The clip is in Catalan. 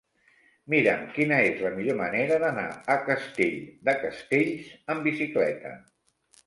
Mira'm quina és la millor manera d'anar a Castell de Castells amb bicicleta.